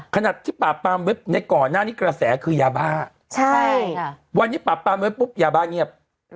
ขนาดที่ปราบปรามเว็บในก่อนหน้านี้กระแสคือยาบ้าใช่ค่ะวันนี้ปราบปรามเว็บปุ๊บยาบ้าเงียบ